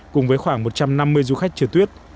cùng với khoảng một trăm năm mươi du khách trượt tuyết